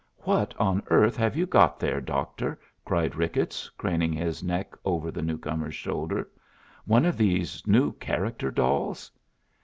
"What on earth have you got there, doctor?" cried Ricketts, craning his neck over the newcomer's shoulder. "One of these new character dolls?"